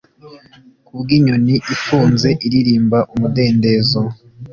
Kubwinyoni ifunze iririmba umudendezo